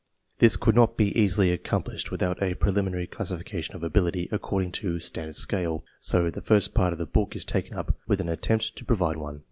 This could not be easily TO THE EDITION OF 1892 xi accomplished without a preliminary classification of ability according to a standard scale, so the first part of the book is taken up with an attempt to provide one.